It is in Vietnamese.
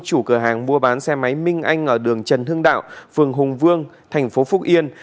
chủ cửa hàng mua bán xe máy minh anh ở đường trần hưng đạo phường hùng vương tp hcm